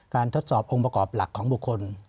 ทดสอบองค์ประกอบหลักของบุคคล